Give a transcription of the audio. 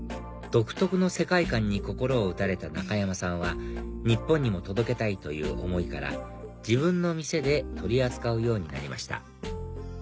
独特の世界観に心を打たれた仲山さんは日本にも届けたいという思いから自分の店で取り扱うようになりました